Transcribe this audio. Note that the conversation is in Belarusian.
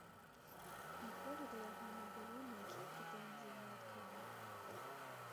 Ніколі да яго не было ніякіх прэтэнзій ні ад каго.